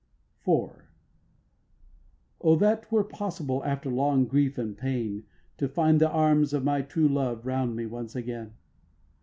IV. 1. O that 'twere possible After long grief and pain To find the arms of my true love Round me once again!